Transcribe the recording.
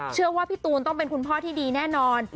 เชื่อว่าพี่ตูนต้องเป็นคุณพ่อที่ดีแน่นอน